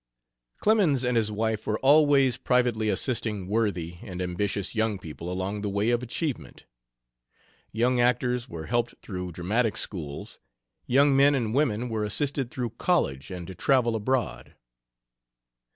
Clemens and his wife were always privately assisting worthy and ambitious young people along the way of achievement. Young actors were helped through dramatic schools; young men and women were assisted through college and to travel abroad.